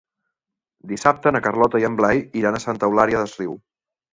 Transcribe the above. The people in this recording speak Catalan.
Dissabte na Carlota i en Blai iran a Santa Eulària des Riu.